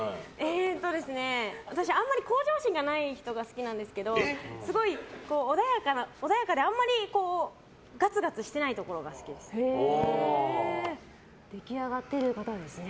私、あんまり向上心がない人が好きなんですけどすごい穏やかであまりガツガツしてないところが出来上がってる方ですね。